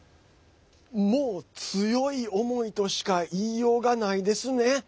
もう、強い思いとしか言いようがないですね。